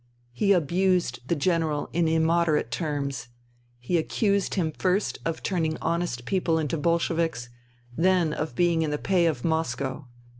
He abused the General in immoderate terms. He accused him first of turning honest people into Bolsheviks ; then of being in the pay of Moscow.